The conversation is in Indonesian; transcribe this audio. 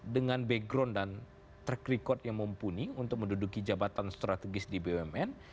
dengan background dan track record yang mumpuni untuk menduduki jabatan strategis di bumn